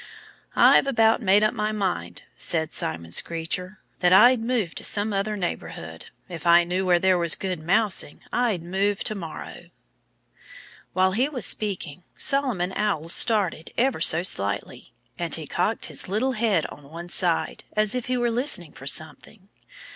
"I've about made up my mind," said Simon Screecher, "that I'd move to some other neighborhood. If I knew where there was good mousing I'd move to morrow." While he was speaking, Solomon Owl started ever so slightly. And he cocked his head on one side, as if he were listening for something.